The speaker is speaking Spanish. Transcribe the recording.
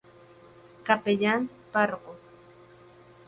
Capellán: Pbro.